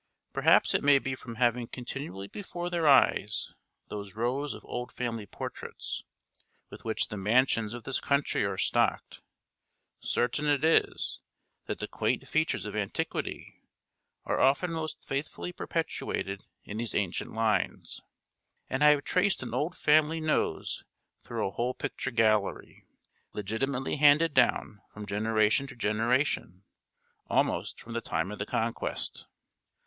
Perhaps it may be from having continually before their eyes those rows of old family portraits, with which the mansions of this country are stocked; certain it is, that the quaint features of antiquity are often most faithfully perpetuated in these ancient lines; and I have traced an old family nose through a whole picture gallery, legitimately handed down from generation to generation, almost from the time of the Conquest.